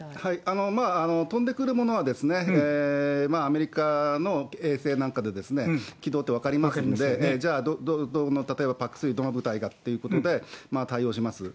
飛んでくるものは、アメリカの衛星なんかで軌道って分かりますので、じゃあ、例えばＰＡＣ３、どの部隊がっていうことで対応します。